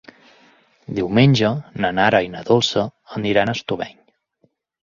Diumenge na Nara i na Dolça aniran a Estubeny.